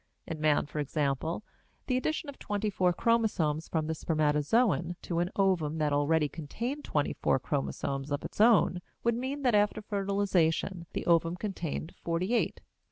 In man, for example, the addition of twenty four chromosomes from the spermatozoon to an ovum that already contained twenty four chromosomes of its own would mean that after fertilization the ovum contained forty eight.